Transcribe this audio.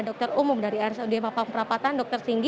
dokter umum dari rsudm pemperapatan dokter singgi